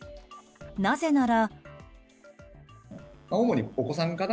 なぜなら。